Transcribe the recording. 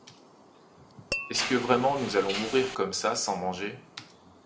Est-ce que vraiment nous allons mourir comme ça sans manger?